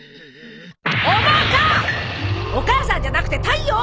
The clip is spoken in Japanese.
お母さんじゃなくて太陽！